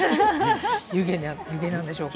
湯気なんでしょうか。